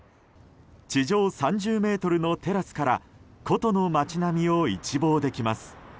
地上３０ｍのテラスから古都の街並みを一望できます。